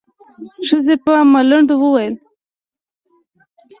ښځې په ملنډو وويل.